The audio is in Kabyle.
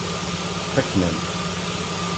Fakken-am-t.